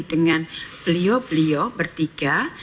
dengan beliau beliau bertiga